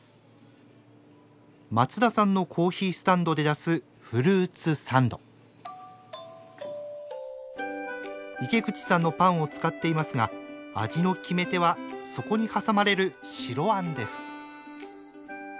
松田さんのコーヒースタンドで出す池口さんのパンを使っていますが味の決め手はそこに挟まれる白あんです。